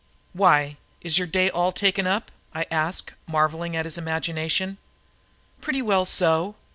"Why, is your day all taken up?" I asked, marvelling at his imagination. "Pretty well so."